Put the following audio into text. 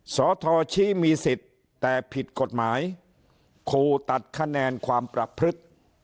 สทชี้มีสิทธิ์แต่ผิดกฎหมายขู่ตัดคะแนนความประพฤติ